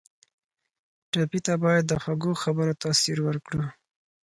ټپي ته باید د خوږو خبرو تاثیر ورکړو.